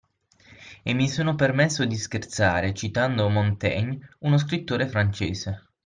E mi sono permesso di scherzare, citando Montaigne, uno scrittore francese.